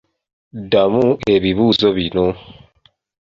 Ddamu ebibuuzo bino.